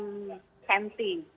tiga puluh senti